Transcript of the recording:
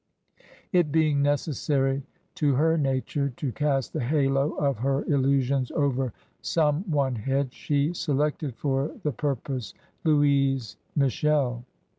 It being necessary to her nature to cast the halo of her illusions over some one head, she selected for the pur pose Louise Michel.